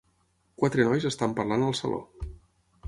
Quatre nois estan parlant al saló.